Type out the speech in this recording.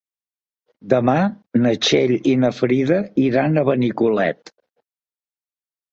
Demà na Txell i na Frida iran a Benicolet.